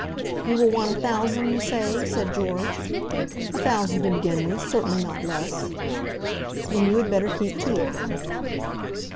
"You will want a thousand, you say?" said George. "A thousand to begin with. Certainly not less." "Then you had better keep two of them."